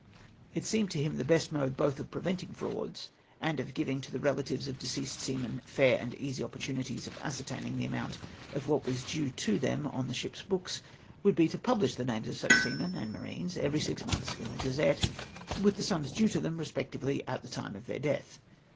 It seemed to him that the best mode both of preventing frauds and of giving to the relatives of deceased seamen fair and easy opportunities of ascertaining the amount of what was due to them on the ships' books, would be to publish the names of such seamen and marines every six months in the Gazette, with the sums due to them respectively at the time of their death.